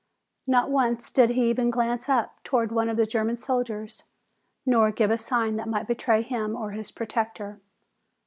Not once did he even glance up toward one of the German soldiers, nor give a sign that might betray him or his protector.